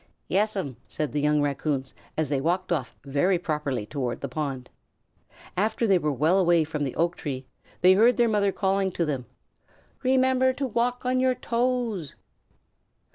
"Yes'm," said the young Raccoons, as they walked off very properly toward the pond. After they were well away from the oak tree, they heard their mother calling to them: "Remember to walk on your toes!"